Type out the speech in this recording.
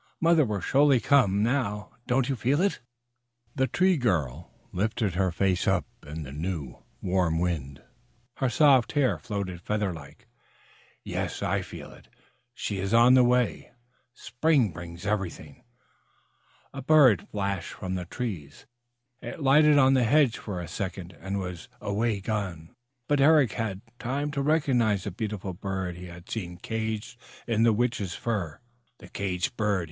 Mother will surely come now. Don't you feel it?" The Tree Girl lifted her face up in the new warm wind. Her soft hair floated feather like. "Yes, I feel it. She is on the way. Spring brings everything." A bird flashed from the trees. It lighted on the hedge for a second and was away again. But Eric had had time to recognize the beautiful bird he had seen caged in the Witch's fir. "The caged bird!"